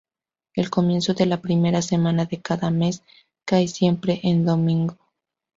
El comienzo de la primera semana de cada mes cae siempre en domingo.